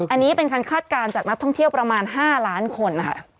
อันนี้เป็นคันคาดการณ์จากนักท่องเที่ยวประมาณ๕ล้านคนค่ะ